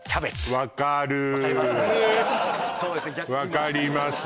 わかります